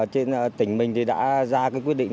trên tỉnh mình thì đã ra quyết định